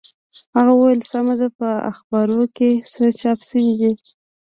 هغه وویل سمه ده په اخبارو کې څه چاپ شوي دي.